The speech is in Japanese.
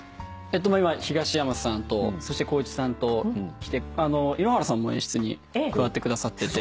今東山さんとそして光一さんときて井ノ原さんも演出に加わってくださってて。